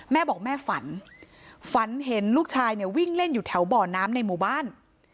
แม่บอกแม่ฝันฝันเห็นลูกชายเนี่ยวิ่งเล่นอยู่แถวบ่อน้ำในหมู่บ้าน